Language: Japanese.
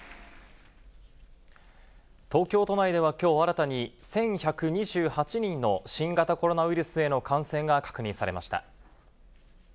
東京都内ではきょう新たに１１２８人の新型コロナウイルスへの感染が確認されました。